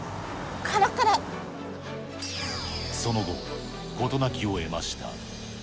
その後、事なきをえました。